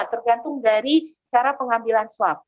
tergantung dari cara pengambilan swab